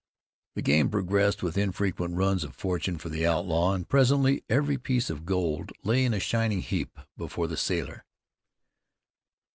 The game progressed with infrequent runs of fortune for the outlaw, and presently every piece of gold lay in a shining heap before the sailor.